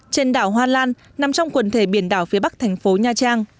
trên đảo hoa lan nằm trong quần thể biển đảo phía bắc thành phố nha trang